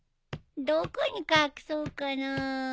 どこに隠そうかなぁ。